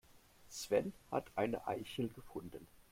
Sven hat eine Eichel gefunden.